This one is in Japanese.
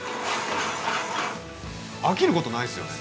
飽きることないですよね。